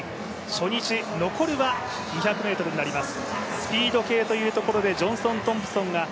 初日、残るは２００ｍになります。